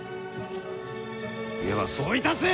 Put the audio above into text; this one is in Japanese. ではそういたす！